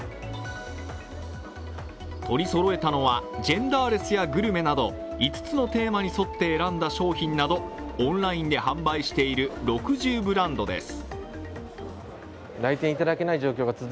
取りそろえたのはジェンダーレスやグルメなど５つのテーマに沿って選んだ商品などオンラインで販売している６０ブランドです。